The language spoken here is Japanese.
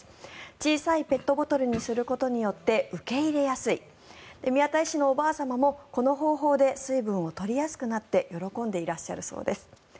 小さいペットボトルにすることによって受け入れやすい宮田医師のおばあ様もこの方法で水分を取りやすくなって喜んでいらっしゃるそうです。